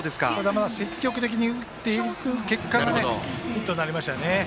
積極的に打っていく結果がヒットになりましたね。